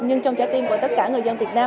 nhưng trong trái tim của tất cả người dân việt nam